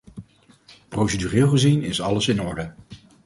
Procedureel gezien is alles in orde.